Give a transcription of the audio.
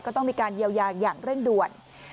ก็ต้องมีการเยียวยาอย่างเร่งด่วน